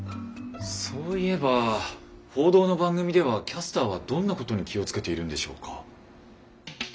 そういえば報道の番組ではキャスターはどんなことに気を付けているんでしょうか？